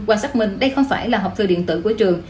quan sát mình đây không phải là học thư điện tử của trường